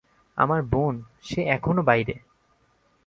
আমার বোন, সে এখনো বাইরে!